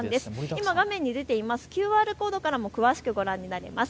今、画面に出ているＱＲコードからも詳しくご覧になれます。